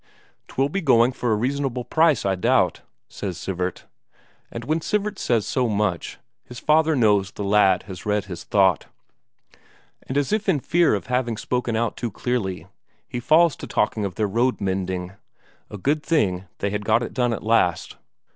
"'Twill be going for a reasonable price, I doubt," says Sivert. And when Sivert says so much, his father knows the lad has read his thought. And as if in fear of having spoken out too clearly, he falls to talking of their road mending; a good thing they had got it done at last.